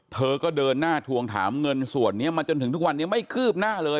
เธอก็เดินหน้าทวงถามเงินส่วนนี้มาจนถึงทุกวันนี้ไม่คืบหน้าเลย